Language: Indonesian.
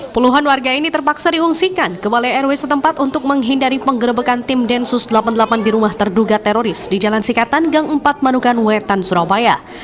puluhan warga ini terpaksa diungsikan ke balai rw setempat untuk menghindari penggerbekan tim densus delapan puluh delapan di rumah terduga teroris di jalan sikatan gang empat manukan wetan surabaya